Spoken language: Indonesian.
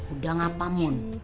udah ngapa mun